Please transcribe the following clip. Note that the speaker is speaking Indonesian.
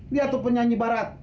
dia tuh penyanyi barat